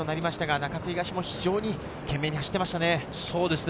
中津東も非常に懸命に走っていましたね。